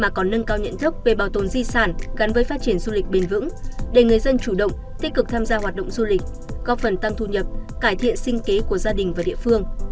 còn nâng cao nhận thức về bảo tồn di sản gắn với phát triển du lịch bền vững để người dân chủ động tích cực tham gia hoạt động du lịch góp phần tăng thu nhập cải thiện sinh kế của gia đình và địa phương